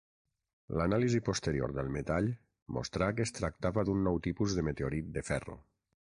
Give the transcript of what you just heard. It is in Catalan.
L'anàlisi posterior del metall mostrà que es tractava d'un nou tipus de meteorit de ferro.